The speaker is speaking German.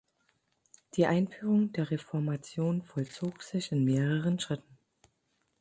Die Einführung der Reformation vollzog sich in mehreren Schritten.